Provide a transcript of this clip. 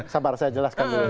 sabar saya jelaskan dulu